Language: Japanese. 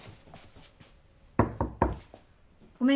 ごめん。